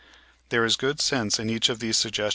There is good sense in each of these Pholo: W.